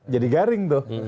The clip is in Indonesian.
jadi garing tuh